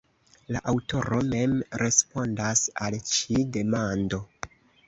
La aŭtoro mem respondas al ĉi demando.